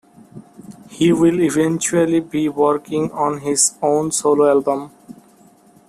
He will eventually be working on his own solo album.